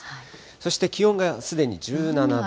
そして気温がすでに１７度。